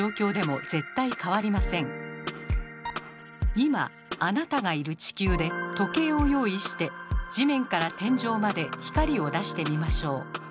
今あなたがいる地球で時計を用意して地面から天井まで光を出してみましょう。